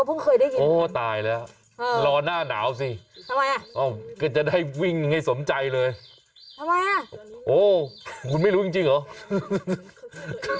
อ้าวโอเคจะได้มึงโอ้ตายแล้วรอน่าหนาวสิอ้าวก็จะได้วิ่งให้สมใจเลยทำไมอ่ะโอ้คุณไม่รู้จริงเหรอ